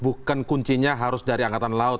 bukan kuncinya harus dari angkatan laut